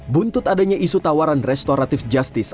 buntut adanya isu tawaran restoratif justice